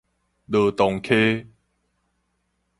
羅東溪